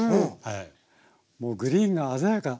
もうグリーンが鮮やか。